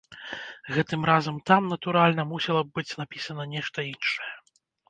Гэтым разам там, натуральна, мусіла б быць напісана нешта іншае.